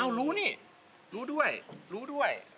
เอารู้นี่รู้ด้วยรู้ด้วย